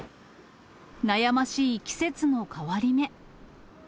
悩ましい季節の変わり目。